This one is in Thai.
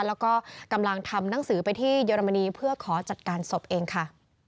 แล้วก็กำลังทำหนังสือไปที่เยอรมนีเพื่อขอจัดการศพเองค่ะ